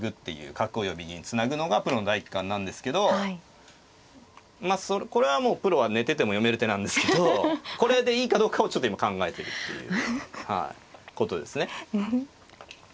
角を呼びにつなぐのがプロの第一感なんですけどまあこれはプロは寝てても読める手なんですけどこれでいいかどうかをちょっと今考えてるっていうはいことですね。